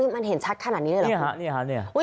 มันเห็นชัดขนาดนี้เลยเหรอ